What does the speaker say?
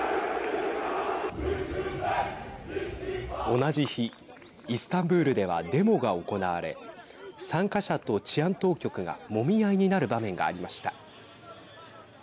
同じ日、イスタンブールではデモが行われ参加者と治安当局がもみ合いになる場面がありました。